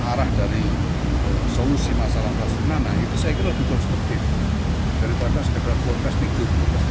arah dari solusi masalah palestina nah itu saya kira lebih konstruktif daripada setelah protest itu